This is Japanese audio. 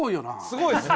すごいですね。